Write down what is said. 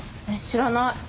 知らない。